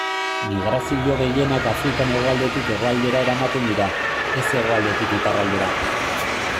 Migrazio gehienak Afrikan hegoaldetik hegoaldera ematen dira, ez hegoaldetik iparraldera.